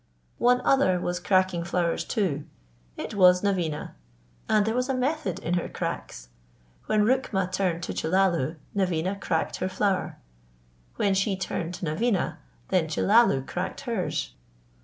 One other was cracking flowers too. It was Naveena, and there was a method in her cracks. When Rukma turned to Chellalu, Naveena cracked her flower. When she turned to Naveena, then Chellalu cracked hers.